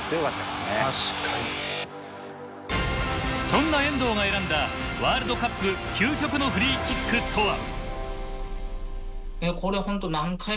そんな遠藤が選んだワールドカップ究極のフリーキックとは？